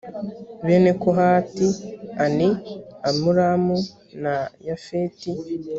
bene kohati ani amuramu na yafeti